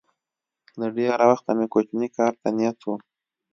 له ډېره وخته مې کوچني کار ته نیت و